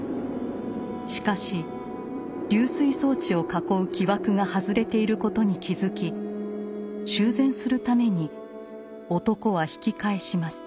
しかし溜水装置を囲う木枠が外れていることに気付き修繕するために男は引き返します。